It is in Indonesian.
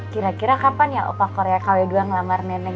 kira kira kapan ya opa korea kw dua ngelamar nenek